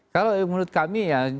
kalau menurut kami ya